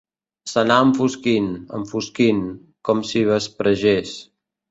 S'anà enfosquint, enfosquint, com si vespregés.